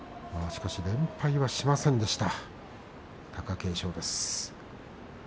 しかし、連敗はしませんでした貴景勝です。